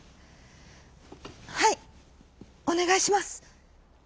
「はいおねがいします」。